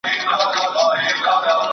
باز چي هر څونه وږی سي، چونگوښي نه خوري.